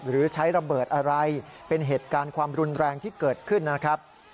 หรือใช้ระเบิดอะไรเป็นเหตุการณ์ความรุนแรงที่เกิดขึ้นนะครับ